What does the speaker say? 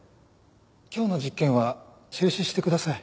今日の実験は中止してください。